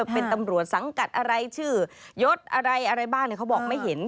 เป็นตำรวจสังกัดอะไรชื่อยศอะไรอะไรบ้างเขาบอกไม่เห็น